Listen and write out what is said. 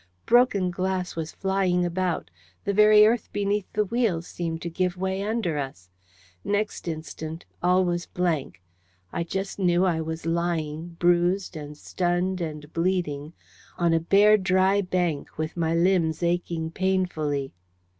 Broken glass was flying about. The very earth beneath the wheels seemed to give way under us. Next instant, all was blank. I just knew I was lying, bruised and stunned and bleeding, on a bare dry bank, with my limbs aching painfully.